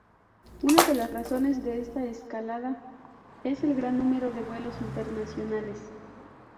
Una de las razones de esta escalada es el gran número de vuelos internacionales.